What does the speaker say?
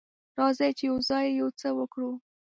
راځئ چې یوځای یو څه وکړو.